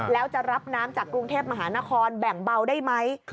แล้วจะรับน้ำจากกรุงเทพมหานครแบ่งเบาได้ไหม